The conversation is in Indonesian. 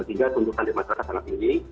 tiga tuntutan di masyarakat sangat tinggi